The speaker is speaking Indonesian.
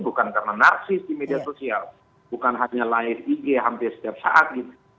bukan karena narsis di media sosial bukan hanya live ig hampir setiap saat